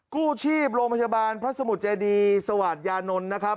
กู้ชีพโรงพยาบาลพระสมุทรเจดีสวาสยานนท์นะครับ